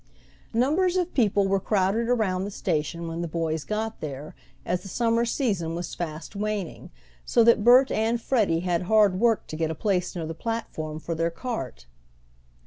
Numbers of people were crowded around the station when the boys got there, as the summer season was fast waning, so that Bert and Freddie had hard work to get a place near the platform for their cart.